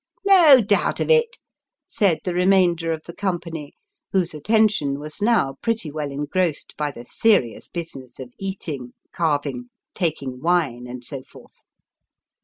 " No doubt of it !" said the remainder of the company, whose atten tion was now pretty well engrossed by the serious business of eating, carving, taking wine, and so forth.